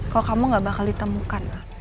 kalau kamu gak bakal ditemukan